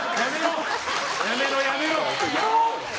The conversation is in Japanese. やめろ、やめろ！